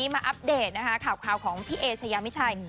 อัปเดตนะคะข่าวของพี่เอชายามิชัย